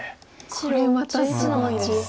これまたすごいです。